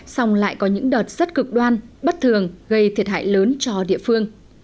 song lại có những đợt rất cực đoan bất thường gây thiệt hại lớn cho địa phương